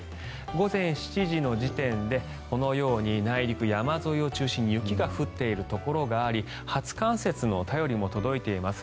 午前７時の時点でこのように内陸山沿いを中心に雪が降っているところがあり初冠雪の便りも届いています。